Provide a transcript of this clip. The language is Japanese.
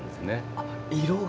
あっ色が。